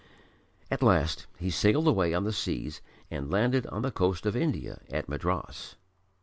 At last he sailed away on the seas and landed on the coast of India at Madras.